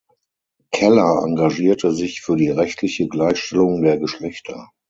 Keller engagierte sich für die rechtliche Gleichstellung der Geschlechter.